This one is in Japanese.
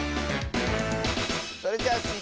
それじゃあスイ